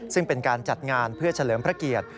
ซึ่งเป็นการจัดงานเพื่อเฉลิมพระเกียรติ